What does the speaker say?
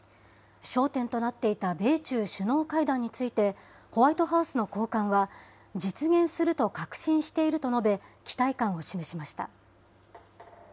焦点となっていた米中首脳会談について、ホワイトハウスの高官は、実現すると確信していると述べ、期待感を示しました。